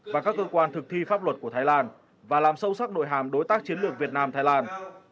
và các cơ quan thực thi pháp luật của thái lan và làm sâu sắc nội hàm đối tác chiến lược việt nam thái lan